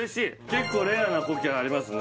結構レアな苔ありますね